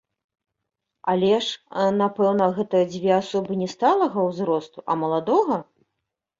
Але ж, напэўна, гэта дзве асобы не сталага ўзросту, а маладога?